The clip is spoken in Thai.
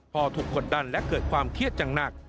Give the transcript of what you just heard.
พอถูกกดดันและเกิดความเครียดอย่างหนัก